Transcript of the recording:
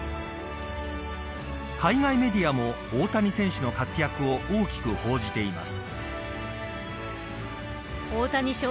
海外メディアも大谷選手の活躍を大きく報じています。